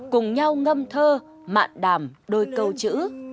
cùng nhau ngâm thơ mạn đàm đôi câu chữ